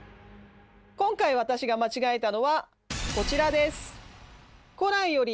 今回私が間違えたのはこちらです。